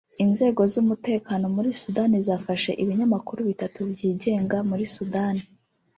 Inzego z’umutekano muri Sudani zafashe ibinyamakuru bitatu byigenga muri Sudani